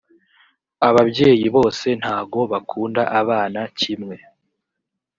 ababyeyi bose ntago bakunda abana kimwe.